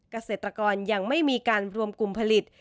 เกษตรกรยังไม่มีการรวมกลุ่มผลิต